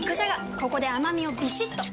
ここで甘みをビシッと！